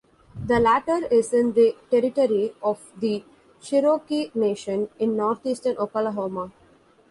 The latter is in the territory of the Cherokee Nation in northeastern Oklahoma.